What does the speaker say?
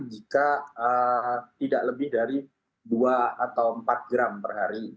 jika tidak lebih dari dua atau empat gram perhari